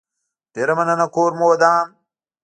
ډيره مننه کور مو ودان